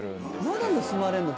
まだ盗まれんの？